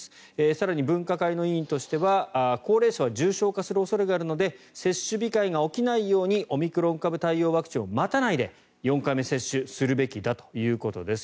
更に分科会の委員としては高齢者は重症化する恐れがあるので接種控えが起きないようにオミクロン対応ワクチンを待たないで、４回目接種するべきだということです。